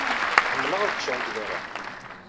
Ḥemmleɣ ad ččeɣ deg beṛṛa.